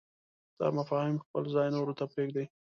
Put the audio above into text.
دا مفاهیم خپل ځای نورو ته پرېږدي.